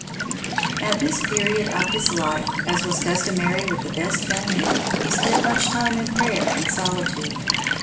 At this period of his life, as was customary with the best young men, he spent much time in prayer and solitude.